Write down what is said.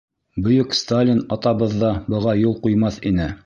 Бөйөк Сталин атабыҙ ҙа быға юл ҡуймаҫ ине.